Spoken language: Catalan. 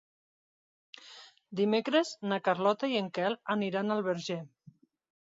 Dimecres na Carlota i en Quel aniran al Verger.